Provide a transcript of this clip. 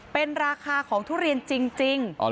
เป็นราคาของทุเรียนจริง